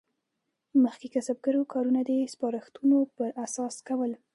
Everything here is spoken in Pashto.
مخکې کسبګرو کارونه د سپارښتونو پر اساس کول.